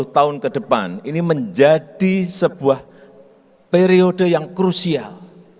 lima belas dua puluh tahun ke depan ini menjadi sebuah periode yang krusial